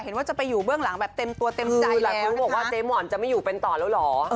ว่าจะไปอยู่เบื้องหลังแบบเต็มตัวเต็มใจแหละเพราะบอกว่าเจ๊หมอนจะไม่อยู่เป็นต่อแล้วเหรอ